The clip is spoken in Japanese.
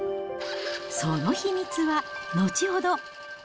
その秘密は後ほど。